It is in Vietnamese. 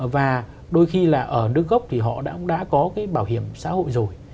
và đôi khi là ở nước gốc thì họ đã có cái bảo hiểm xã hội rồi